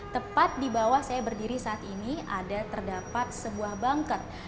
tepat di bawah saya berdiri saat ini ada terdapat sebuah banker